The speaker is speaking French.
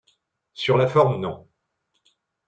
Sur la forme, non.